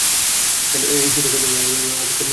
এই শিক্ষা সম্পূর্ণ না হওয়া পর্যন্ত অপেক্ষা করিতেই হইবে।